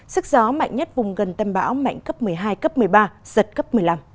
sức gió mạnh nhất vùng gần tâm bão mạnh cấp một mươi hai cấp một mươi ba giật cấp một mươi năm